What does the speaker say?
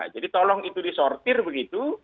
jadi tolong itu disortir begitu